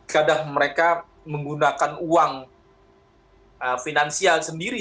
kadang mereka menggunakan uang finansial sendiri